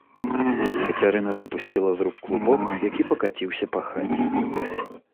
Кацярына выпусціла з рук клубок, які пакаціўся па хаце.